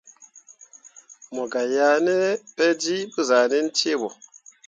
Mo gah yeah ne peljii pə zahʼnan cee ahe.